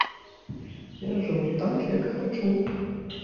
Я жыву так, як хачу.